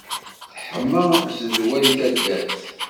Teḥma zzedwa deg taddart!